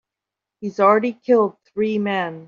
He's already killed three men.